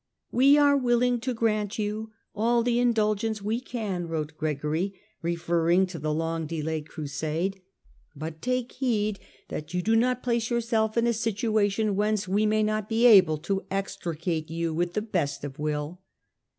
" We are willing to grant you all the indulgence we can," wrote Gregory, referring to the long delayed Crusade ;" but take heed that you do not place yourself 78 STUPOR MUNDI in a situation whence we may not be able to extricate you, with the best of will."